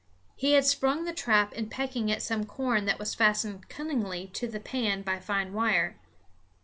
He had sprung the trap in pecking at some corn that was fastened cunningly to the pan by fine wire.